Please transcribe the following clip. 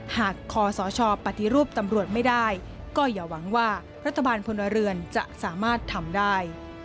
หากคอสชปฏิรูปตำรวจไม่ได้ก็อย่าหวังว่ารัฐบาลพลเรือนจะสามารถทำได้